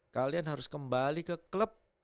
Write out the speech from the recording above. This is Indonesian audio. kalian harus kembali ke klub